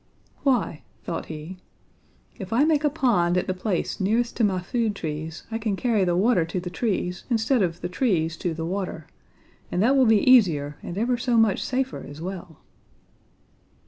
"'Why,' thought he, 'if I make a pond at the place nearest to my food trees, I can carry the water to the trees instead of the trees to the water; and that will be easier and ever so much safer as well.'